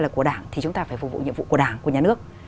là của đảng thì chúng ta phải phục vụ nhiệm vụ của đảng của nhà nước